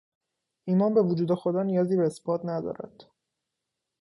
ایمان به وجود خدا نیازی به اثبات ندارد.